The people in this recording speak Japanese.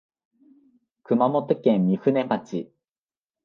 熊本県御船町